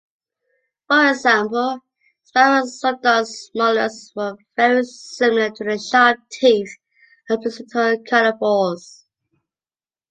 For example, sparassodonts' molars were very similar to the sharp teeth of placental carnivores.